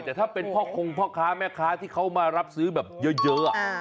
แต่ถ้าเป็นพ่อคงพ่อค้าแม่ค้าที่เขามารับซื้อแบบเยอะ